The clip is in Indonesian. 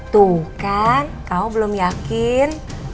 tuh kan kamu belum yakin